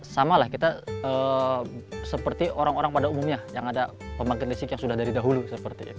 sama lah kita seperti orang orang pada umumnya yang ada pembangkit listrik yang sudah dari dahulu seperti itu